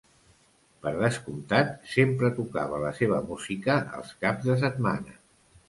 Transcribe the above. Per descomptat, sempre tocava la seva música els caps de setmana.